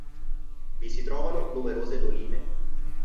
Vi si trovano numerose doline.